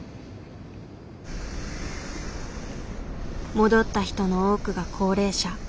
戻った人の多くが高齢者。